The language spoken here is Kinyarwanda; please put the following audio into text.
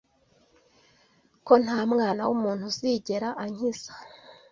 ko nta mwana w’umuntu uzigera ankiza